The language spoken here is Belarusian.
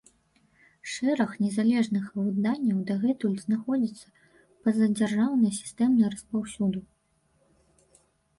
Шэраг незалежных выданняў дагэтуль знаходзяцца па-за дзяржаўнай сістэмай распаўсюду.